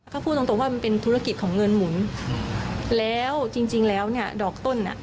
ก็พูดตรงตรงว่ามันเป็นธุรกิจของเงินหมุนแล้วจริงจริงแล้วเนี่ยดอกต้นอ่ะ